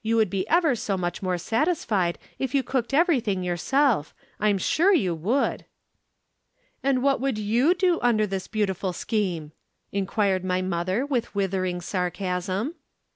You would be ever so much more satisfied if you cooked everything yourself. I'm sure you would.' "'And what would you do under this beautiful scheme?' inquired my mother with withering sarcasm.